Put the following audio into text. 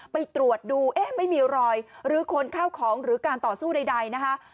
ไปตรวจดูเอ๊ะไม่มีรอยหรือคนเข้าของหรือการต่อสู้ใดนะคะ